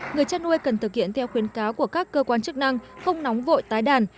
người chăn nuôi cần thực hiện theo khuyến cáo của các cơ quan chức năng không nóng vội tái đàn